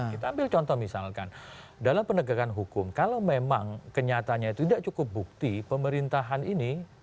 kita ambil contoh misalkan dalam penegakan hukum kalau memang kenyataannya itu tidak cukup bukti pemerintahan ini